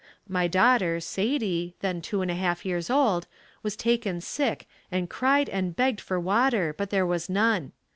My daughter, Sadie, then two and a half years old, was taken sick and cried and begged for water but there was none.